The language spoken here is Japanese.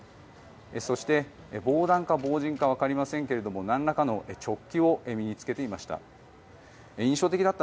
そして防弾か防塵かわかりませんがなんらかのチョッキを身に着けていました。